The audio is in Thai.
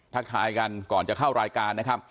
ทักทายกันก่อนจะเข้ารายการ